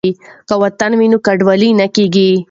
که وطن وي نو کډوال نه کیږي.